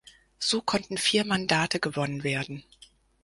So konnten vier Mandate gewonnen werden.